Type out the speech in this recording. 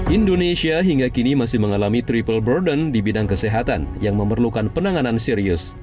indonesia hingga kini masih mengalami triple burden di bidang kesehatan yang memerlukan penanganan serius